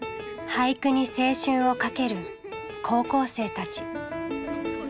俳句に青春をかける高校生たち。